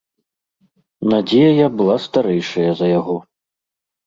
Надзея была старэйшая за яго.